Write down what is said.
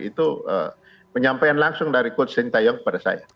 itu penyampaian langsung dari coach sintayong kepada saya